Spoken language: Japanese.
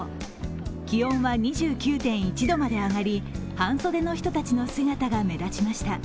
気温は２９．１度まで上がり半袖の人たちの姿が目立ちました。